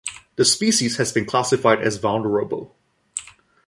The species has been classified as vulnerable.